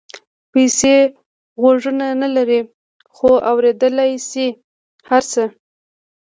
پیسې غوږونه نه لري خو اورېدلای شي هر څه.